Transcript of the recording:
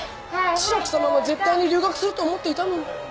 千秋さまは絶対に留学すると思っていたのに。